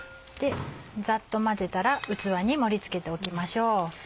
ざっと混ぜたら器に盛り付けておきましょう。